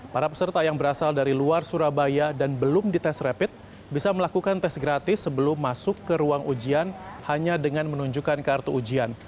para peserta yang berasal dari luar surabaya dan belum dites rapid bisa melakukan tes gratis sebelum masuk ke ruang ujian hanya dengan menunjukkan kartu ujian